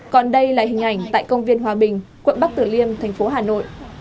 còn đây là hình ảnh tại công viên hòa bình quận bắc tử liêm thành phố hà nội